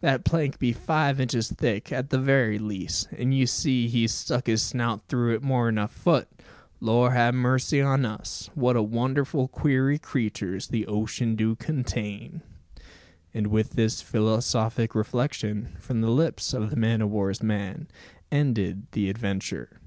That plank be five inches thick, at the very least, an' you see he's stuck his snout through it more'n a foot! Lor 'a mercy on us! What wonderful queery creeturs the ocean do contain!" And with this philosophic reflection, from the lips of the man o' war's man, ended the adventure.